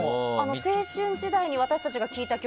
青春時代に私たちが聴いた曲